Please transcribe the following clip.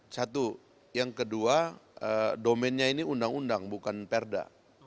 satu yang kedua domennya ini undang undang bukan perda